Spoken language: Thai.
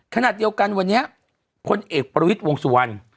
ขนาดเดียวกันวันเนี้ยคนเอกประวิติวงศ์สุวรรณ